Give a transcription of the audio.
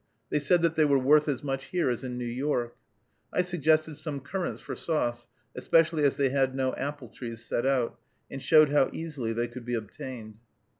They said that they were worth as much here as in New York. I suggested some currants for sauce, especially as they had no apple trees set out, and showed how easily they could be obtained.